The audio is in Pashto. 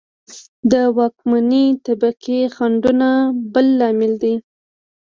د واکمنې طبقې خنډونه بل لامل دی